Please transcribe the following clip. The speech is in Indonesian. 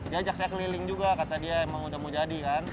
dia ajak saya keliling juga kata dia emang udah mau jadi kan